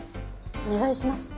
お願いします。